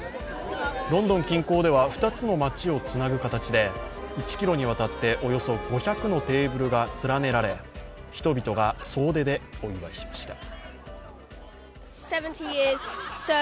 ロンドン近郊では２つの街をつなぐ形で１ｋｍにわたって、およそ５００のテーブルが連ねられ人々が総出でお祝いしました。